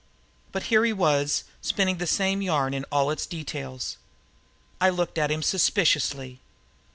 But here he was spinning the same yarn in all its details! I looked at him suspiciously.